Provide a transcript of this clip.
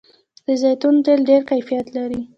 د زیتون تېل ډیر کیفیت لري.